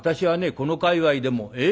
この界わいでもええ？